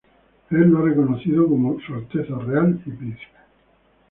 El lo ha reconocido como Su Alteza Real y Príncipe.